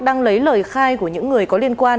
đang lấy lời khai của những người có liên quan